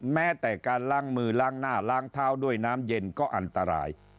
แม้แต่การล้างมือล้างหน้าล้างเท้าด้วยน้ำเย็นก็อันตราย